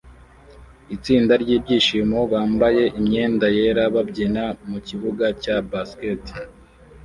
Itsinda ryibyishimo bambaye imyenda yera babyina mukibuga cya basket